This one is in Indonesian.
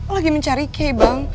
lagi mencari k bang